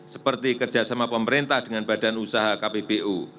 seperti kerjasama pemerintah dengan badan usaha kpbu